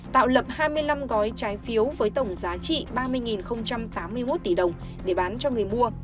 tạo lập hai mươi năm gói trái phiếu với tổng giá trị ba mươi tám mươi một tỷ đồng để bán cho người mua